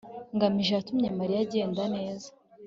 ngamije yatumye mariya agenda. neza